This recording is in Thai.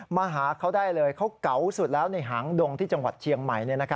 มาหาเขาได้เลยเขาเก๋าสุดแล้วในหางดงที่จังหวัดเชียงใหม่